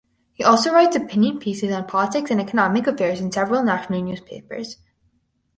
He also writes opinion pieces on politics and economic affairs in several national newspapers.